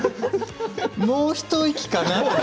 もう一息かな。